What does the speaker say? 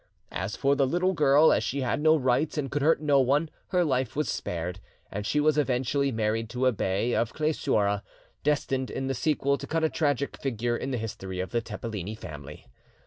As for the little girl, as she had no rights and could hurt no one, her life was spared; and she was eventually married to a bey of Cleisoura, destined in the sequel to cut a tragic figure in the history of the Tepeleni family.